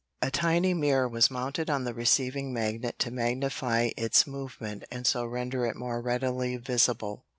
A tiny mirror was mounted on the receiving magnet to magnify its movement and so render it more readily visible.